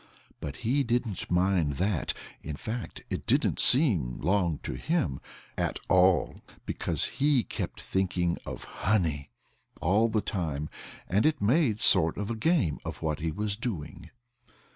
But he didn't mind that. In fact, it didn't seem long to him, at all, because he kept thinking of honey all the time, and it made a sort of game of what he was doing.